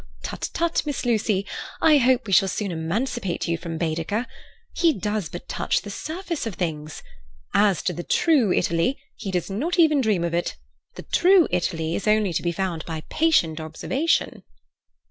"Tut, tut! Miss Lucy! I hope we shall soon emancipate you from Baedeker. He does but touch the surface of things. As to the true Italy—he does not even dream of it. The true Italy is only to be found by patient observation."